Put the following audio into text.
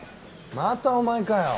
またお前かよ。